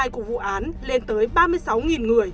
của vụ án lên tới ba mươi sáu người